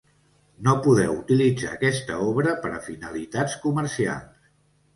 No podeu utilitzar aquesta obra per a finalitats comercials.